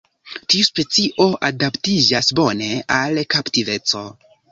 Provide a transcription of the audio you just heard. Tiu specio adaptiĝas bone al kaptiveco.